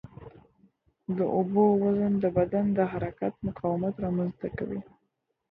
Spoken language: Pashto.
د اوبو وزن د بدن د حرکت مقاومت رامنځته کوي.